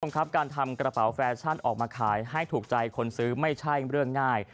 คุณผู้ชมครับการทำกระเป๋าแฟชั่นออกมาขายให้ถูกใจคนซื้อไม่ใช่เรื่องง่าย